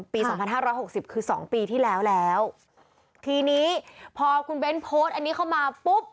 สองพันห้าร้อยหกสิบคือสองปีที่แล้วแล้วทีนี้พอคุณเบ้นโพสต์อันนี้เข้ามาปุ๊บ